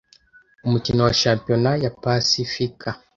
umukino wa Shampiyona ya pasifika.